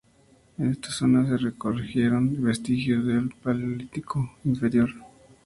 En esta zona se recogieron vestigios del Paleolítico Inferior.